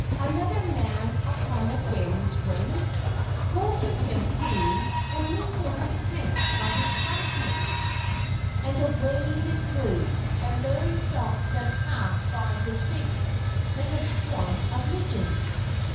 Another man upon the Fairies' Ring! Go to him, Queen, and make him repent of his rashness!" And away they flew, and Larry felt them pass by his face like a swarm of midges.